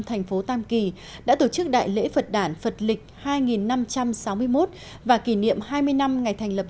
thành phố tam kỳ đã tổ chức đại lễ phật đản phật lịch hai năm trăm sáu mươi một và kỷ niệm hai mươi năm ngày thành lập